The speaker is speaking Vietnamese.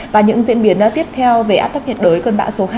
và những diễn biến tiếp theo về áp thấp nhiệt đới cơn bão số hai